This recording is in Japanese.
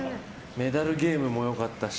メダルゲームも良かったし。